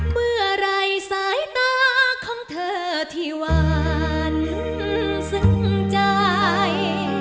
เมื่อไหร่สายตาของเธอที่หวานซึ้งใจ